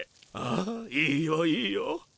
ああいいよいいよ。